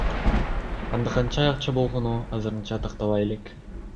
Анда канча акча болгону азырынча тактала элек.